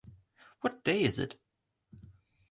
What day is it?